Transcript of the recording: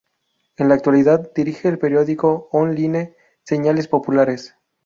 En la actualidad dirige el periódico online "Señales populares".